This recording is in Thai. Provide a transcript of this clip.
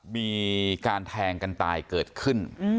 มีการแทงกันตายเกิดขึ้น